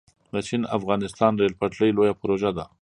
د چین - افغانستان ریل پټلۍ لویه پروژه ده